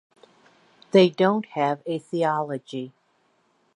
They don't have a theology.